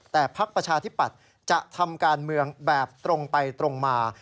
แต่พักประชาธิปัตย์จะทำการเมืองแบบตรงไปตรงมา